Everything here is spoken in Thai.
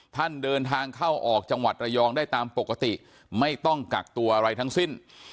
ท่านเดินทางเข้าออกจังหวัดระยองได้ตามปกติไม่ต้องกักตัวอะไรทั้งสิ้น